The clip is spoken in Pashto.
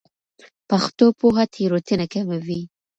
پښتو پوهه تېروتنه کموي.